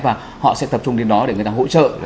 và họ sẽ tập trung đến đó để người ta hỗ trợ